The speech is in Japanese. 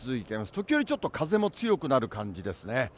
時折ちょっと、風も強くなる感じですね。